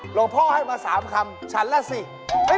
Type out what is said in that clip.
หลวงพ่อให้มา๓คำฉันล่ะสิ